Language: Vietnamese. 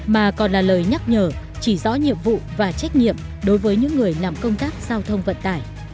mà còn là lời nhắc nhở chỉ rõ nhiệm vụ và trách nhiệm đối với những người làm công tác giao thông vận tải